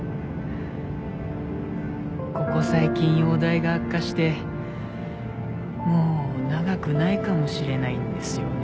ここ最近容体が悪化してもう長くないかもしれないんですよね。